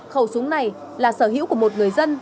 khẩu súng này là sở hữu của một người dân